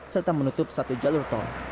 serta menutup satu jalur tol